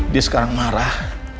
dia sekarang marah